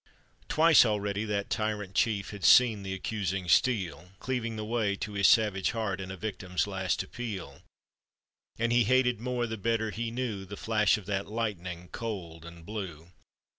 Twice already that tyrant chief Had seen th' accusing steel Cleaving the way to his savage heart In a victim's last appeal; And he hated more the better he knew The flash of that lightning cold and blue.